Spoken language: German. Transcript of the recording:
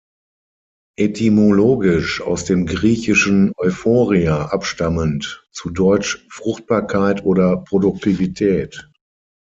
Etymologisch aus dem "Griechischen „euphoria“" abstammend, zu Deutsch „Fruchtbarkeit“ oder „Produktivität“.